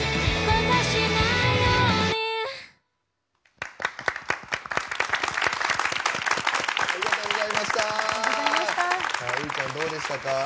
ウイちゃん、どうでしたか？